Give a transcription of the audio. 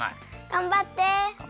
がんばって！